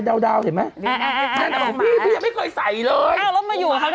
ดาวเห็นไหม